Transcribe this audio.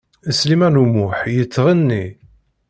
Sliman U Muḥ yettɣenni.